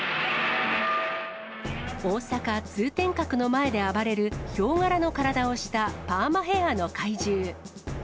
大阪、通天閣の前で暴れる、ヒョウ柄の体をしたパーマヘアーの怪獣。